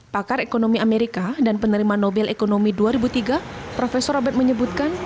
pakar ekonomi amerika dan penerima nobel ekonomi dua ribu tiga profesor robert menyebutkan